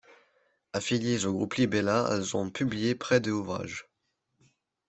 Affiliées au groupe Libella, elles ont publié près de ouvrages.